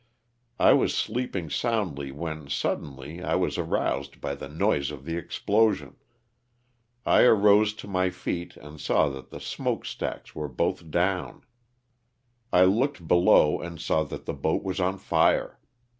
I was sleeping soundly when, suddenly, I was aroused by the noise of the explosion. I arose to my feet and saw that the smoke stacks were both down. I looked be LOSS OF THE SULTANA. 207 low and saw that the boat was on fire.